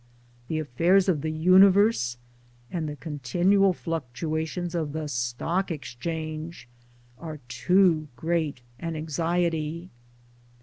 The affairs of the universe and the continual fluctua tions of the Stock Exchange are too great an anxiety.